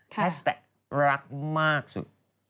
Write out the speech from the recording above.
แฮสแสต๊ะรักมากสุด